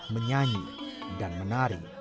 menyanyi dan menari